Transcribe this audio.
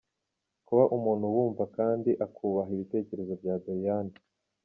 Kuba umuntu wumva kandi akubaha ibitekerezo bya Doriane.